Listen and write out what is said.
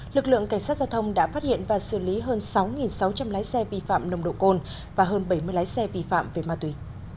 lực lượng cảnh sát giao thông đã phát hiện và xử lý hơn sáu sáu trăm linh lái xe vi phạm nồng độ cồn và hơn bảy mươi lái xe vi phạm về ma túy